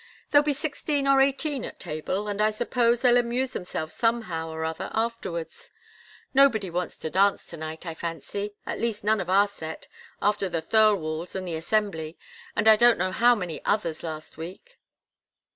There'll be sixteen or eighteen at table, and I suppose they'll amuse themselves somehow or other afterwards. Nobody wants to dance to night, I fancy at least none of our set, after the Thirlwalls', and the Assembly, and I don't know how many others last week."